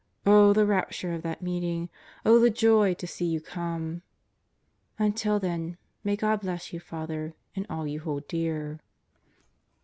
Oh, the rapture of that meeting. Oh, the joy to see you cornel" Until then, may God bless you, Father, and all you hold dear.